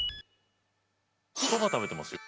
そば食べてますよ。